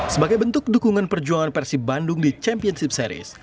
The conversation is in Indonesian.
sebagai bentuk dukungan perjuangan persib bandung di championship series